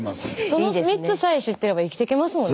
その３つさえ知ってれば生きてけますもんね